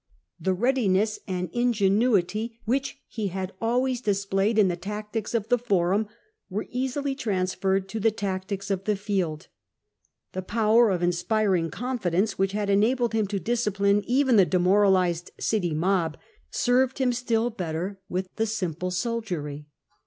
The readiness and ingenuity which he had always displayed in the tactics of the Forum were easily transferred to the tactics of the field. The power of inspiring confidence, which had enabled him to disci pline even the demoralised city mob, served him still better with the simple soldiery.